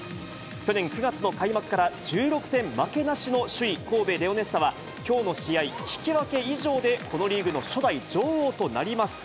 去年９月の開幕から１６戦負けなしの首位神戸レオネッサは、きょうの試合、引き分け以上でこのリーグの初代女王となります。